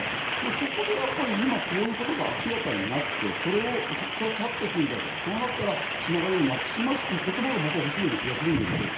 そこで今こういうことが明らかになって、そこから立っていくんだとか、つながりをなくしますとかいう言葉がほしいと思うんだけれども。